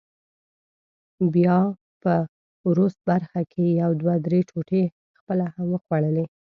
بیا په وروست برخه کې یې یو دوه درې ټوټې خپله هم وخوړلې.